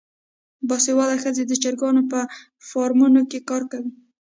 باسواده ښځې د چرګانو په فارمونو کې کار کوي.